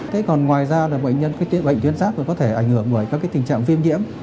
thế còn ngoài ra là bệnh nhân cái bệnh tuyến giáp có thể ảnh hưởng với các cái tình trạng viêm nhiễm